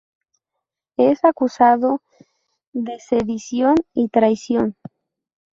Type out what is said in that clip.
Es acusado de sedición y traición.